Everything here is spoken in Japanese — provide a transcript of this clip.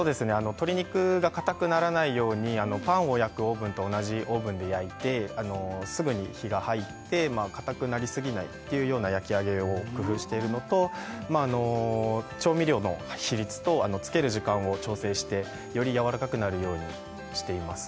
鶏肉が硬くならないようにパンを焼くオーブンと同じオーブンで焼いてすぐに火が入って硬くなりすぎないっていうような焼き上げを工夫しているのと調味料の比率と漬ける時間を調整してよりやわらかくなるようにしています